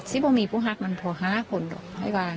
ซิบ่อมีผู้หักมันพอหาคนดอกไอ้ว่าอันโลก